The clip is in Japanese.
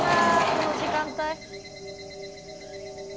この時間帯。